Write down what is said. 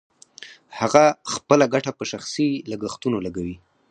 هغه خپله ګټه په شخصي لګښتونو لګوي